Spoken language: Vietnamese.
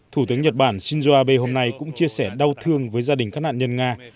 thủ tướng nhật bản shinzo abe hôm nay cũng chia sẻ đau thương với gia đình các nạn nhân nga